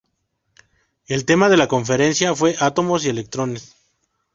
El tema de la conferencia fue "Átomos y electrones".